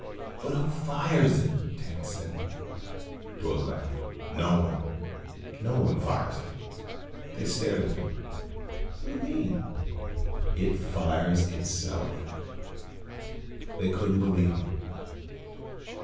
"But who fires it?" Tance said. Dorle laughed. "No one. No one fires it." They stared at him. "What do you mean?" "It fires itself." They couldn't believe him.